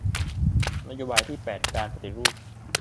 นโยบายที่แปดการปฏิรูป